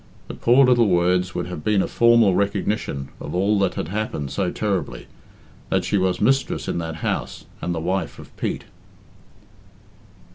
The poor little words would have been a formal recognition of all that had happened so terribly that she was mistress in that house, and the wife of Pete.